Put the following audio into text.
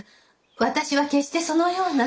私は決してそのような。